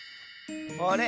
あれ？